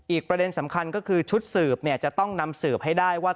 ประเด็นสำคัญก็คือชุดสืบจะต้องนำสืบให้ได้ว่า